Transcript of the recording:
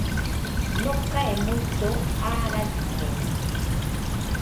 Nokae muido aa raikono.